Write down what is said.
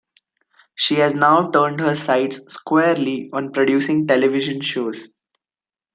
She has now turned her sights squarely on producing television shows.